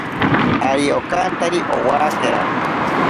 Ari okantari owakera.